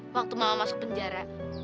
waktu mama masuk penjara